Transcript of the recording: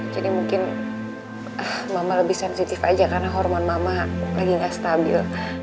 jadi mungkin mama lebih sensitif aja karena hormon mama lagi gak stabil